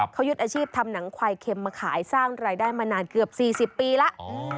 เขายึดอาชีพทำหนังควายเค็มมาขายสร้างรายได้มานานเกือบ๔๐ปีแล้ว